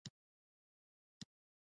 د سمنګان په خرم سارباغ کې څه شی شته؟